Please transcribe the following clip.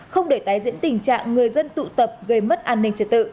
không để tái diễn tình trạng người dân tụ tập gây mất an ninh trật tự